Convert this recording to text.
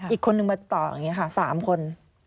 อีกคนนึงมาต่ออย่างนี้ค่ะ๓คน